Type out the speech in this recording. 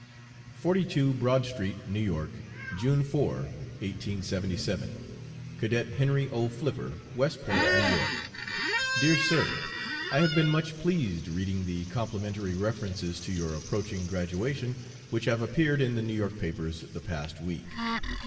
42 BROAD STREET, NEW YORK, June 4, 1877. CADET HENRY O. FLIPPER, West Point, N. Y.: DEAR SIR: I have been much pleased reading the complimentary references to your approaching graduation which have appeared in the New York papers the past week.